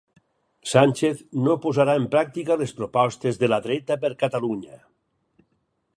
Sánchez no posarà en pràctica les propostes de la dreta per Catalunya